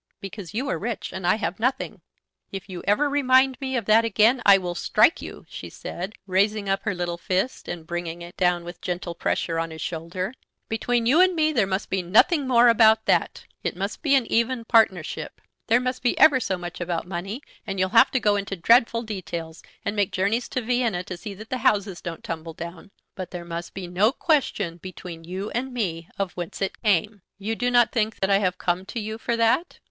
"Because you are rich and I have nothing." "If you ever remind me of that again I will strike you," she said, raising up her little fist and bringing it down with gentle pressure on his shoulder. "Between you and me there must be nothing more about that. It must be an even partnership. There must be ever so much about money, and you'll have to go into dreadful details, and make journeys to Vienna to see that the houses don't tumble down; but there must be no question between you and me of whence it came." "You will not think that I have to come to you for that?"